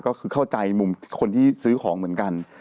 ก็คือเข้าใจมุมคนที่ซื้อของเหมือนกัน